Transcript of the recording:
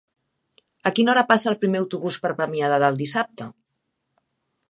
A quina hora passa el primer autobús per Premià de Dalt dissabte?